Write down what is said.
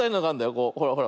こうほらほら。